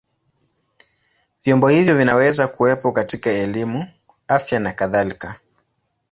Vyombo hivyo vinaweza kuwepo katika elimu, afya na kadhalika.